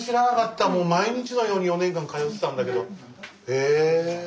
へえ。